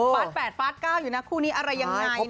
๘ฟาส๙อยู่นะคู่นี้อะไรยังไง